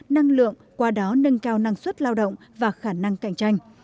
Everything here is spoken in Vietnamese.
năng lượng qua đó nâng cao năng suất lao động và khả năng cạnh tranh